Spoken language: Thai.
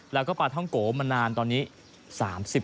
แล้วก็ปลาท่องโกมานานตอนนี้